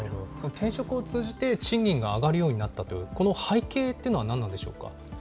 転職を通じて、賃金が上がるようになったという、この背景というのは何なんでしょうか。